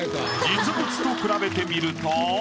実物と比べてみると。